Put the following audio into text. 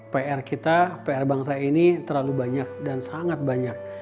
pr kita pr bangsa ini terlalu banyak dan sangat banyak